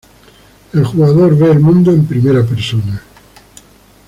El jugador ve el mundo en primera persona.